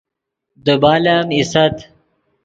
دیبال ام ایست